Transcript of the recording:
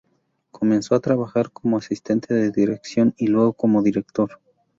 Comenzó a trabajar como asistente de dirección y luego como director.